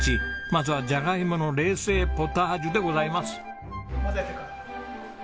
まずはジャガイモの冷製ポタージュでございます。